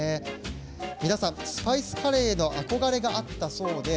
皆さん、スパイスカレーへの憧れがあったそうで。